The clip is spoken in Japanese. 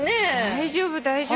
大丈夫大丈夫。